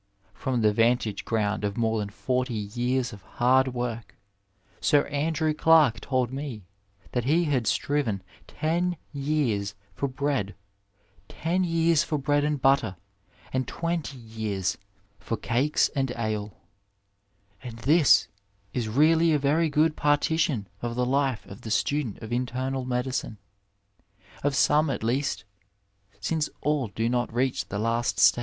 From the vantage ground of more than forty years of hard work, Sir Andrew Clark told me that he had striven ten yean for bread, ten years for bread and butter, and twenty years for cakes and ale; and this is really a very good partition of the life of the student of internal medicine, of some at least, since all do not reach the last stage.